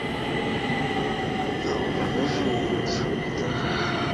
জলরঙে আঁকা ছবিতে জলের ধোয়া পদ্ধতির সঙ্গে বিষয়ের বিস্তারিত বর্ণনার অভ্যাস দৃশ্যমান।